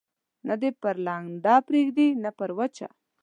نه دي پر لنده پرېږدي، نه پر وچه.